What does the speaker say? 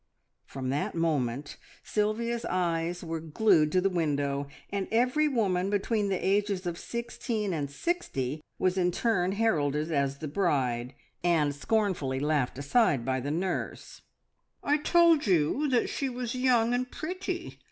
From that moment Sylvia's eyes were glued to the window, and every woman between the ages of sixteen and sixty was in turn heralded as the bride, and scornfully laughed aside by the nurse. "I told you that she was young and pretty!"